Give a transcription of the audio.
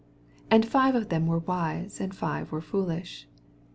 2 And Ave of them were wise, and five vfSM foolish.